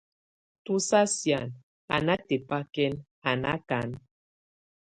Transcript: Tu sa sían a natebakɛn, a nákan.